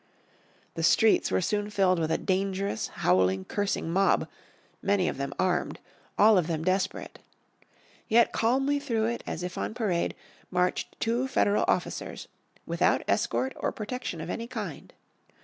The streets were soon filled with a dangerous, howling cursing mob man of them armed, all of them desperate. Yet calmly through it, as if on parade, marched two Federal officers, without escort of protection of any kind.